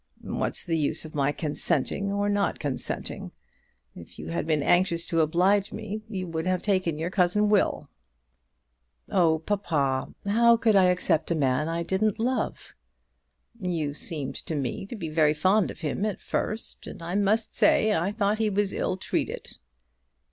"What's the use of my consenting or not consenting? If you had been anxious to oblige me you would have taken your cousin Will." "Oh, papa, how could I accept a man I didn't love?" "You seemed to me to be very fond of him at first; and I must say, I thought he was ill treated."